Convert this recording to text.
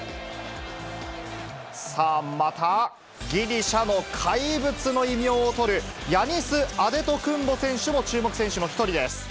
さあ、また、ギリシャの怪物の異名をとる、ヤニス・アデトクンボ選手も注目選手の一人です。